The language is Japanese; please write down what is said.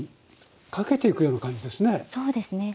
そうですね。